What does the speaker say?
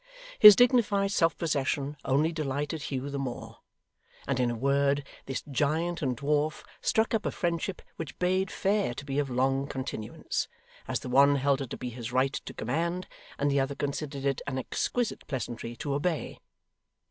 His dignified self possession only delighted Hugh the more; and in a word, this giant and dwarf struck up a friendship which bade fair to be of long continuance, as the one held it to be his right to command, and the other considered it an exquisite pleasantry to obey.